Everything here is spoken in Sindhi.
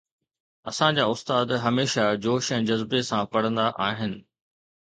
اسان جا استاد هميشه جوش ۽ جذبي سان پڙهندا آهن